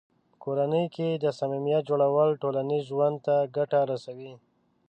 په کورنۍ کې د صمیمیت جوړول ټولنیز ژوند ته ګټه رسوي.